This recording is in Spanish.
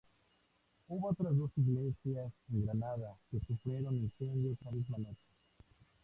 Hubo otras dos iglesias en Granada que sufrieron incendios esa misma noche.